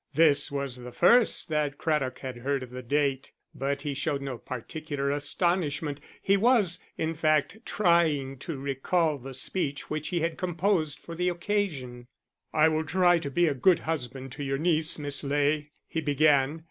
This was the first that Craddock had heard of the date, but he showed no particular astonishment. He was, in fact, trying to recall the speech which he had composed for the occasion. "I will try to be a good husband to your niece, Miss Ley," he began.